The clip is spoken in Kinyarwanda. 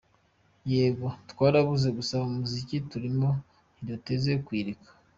Yego twarabuze gusa muzika iturimo ntiduteze kuyireka.